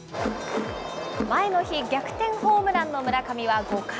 前の日、逆転ホームランの村上は５回。